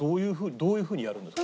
どういうふうにやるんですか？